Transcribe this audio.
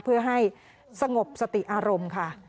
เพื่อให้สงบสติอารมณ์ค่ะ